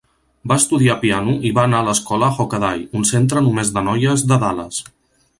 Va estudiar piano i va anar a l'escola Hockaday, un centre només de noies de Dallas.